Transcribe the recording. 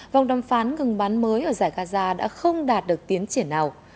vòng đàm phán ngừng bắn mới ở giải gaza đã không đạt được tiến triển nào